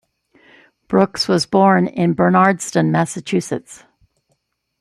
Brooks was born in Bernardston, Massachusetts.